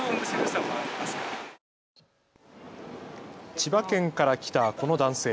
千葉県から来たこの男性。